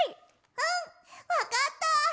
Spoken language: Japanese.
うんわかった！